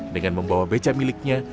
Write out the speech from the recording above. dengan membawa beca miliknya